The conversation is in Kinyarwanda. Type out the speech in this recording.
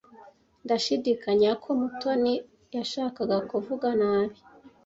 Ndashidikanya ko Mutoni yashakaga kuvuga nabi.